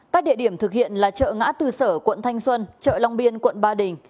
các địa điểm thực hiện là chợ ngã tư sở quận thanh xuân chợ long biên quận ba đình